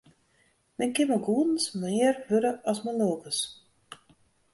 Men kin mei goedens mear wurde as mei lulkens.